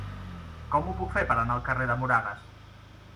Com ho puc fer per anar al carrer de Moragas?